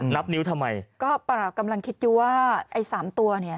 นับนิ้วทำไมก็เปล่ากำลังคิดอยู่ว่าไอ้สามตัวเนี่ย